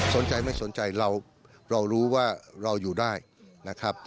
สนใจไม่สนใจเรารู้ว่าเราอยู่ได้นะครับ